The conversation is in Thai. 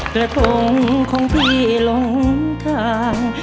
กระทงของพี่ลงทาง